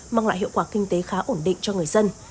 mang lại hiệu quả kinh tế khá ổn định cho người dân